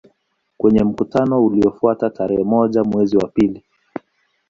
Kwenye mkutano uliofuata tarehe moja mwezi wa pili